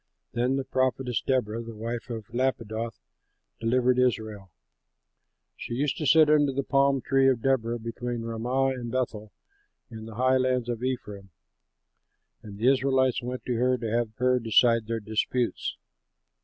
Then the prophetess Deborah, the wife of Lappidoth, delivered Israel. She used to sit under the palm tree of Deborah between Ramah and Bethel in the highlands of Ephraim; and the Israelites went to her to have her decide their disputes.